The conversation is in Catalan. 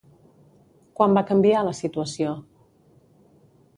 Quan va canviar la situació?